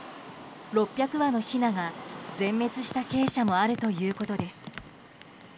６００羽のひなが全滅した鶏舎もあるということです。